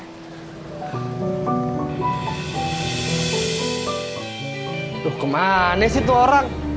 aduh kemana sih itu orang